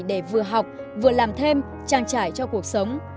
để vừa học vừa làm thêm trang trải cho cuộc sống